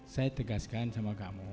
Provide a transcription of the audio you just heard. saya tegaskan sama kamu